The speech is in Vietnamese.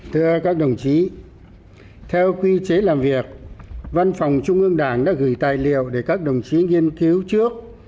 thưa các đồng chí theo quy chế làm việc văn phòng trung ương đảng đã gửi tài liệu để các đồng chí nghiên cứu trước